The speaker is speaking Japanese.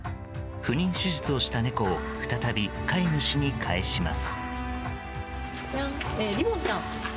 不妊手術をした猫を再び飼い主に返します。